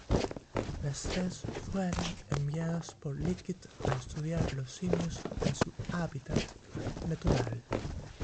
Las tres fueron enviadas por Leakey a estudiar los simios en su hábitat natural.